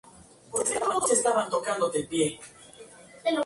Las manifestaciones tuvieron lugar en varias ciudades de Brasil.